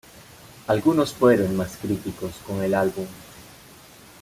Algunos fueron más críticos con el álbum.